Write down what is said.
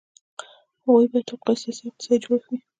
هغه باید حقوقي، سیاسي او اقتصادي جوړښت وي.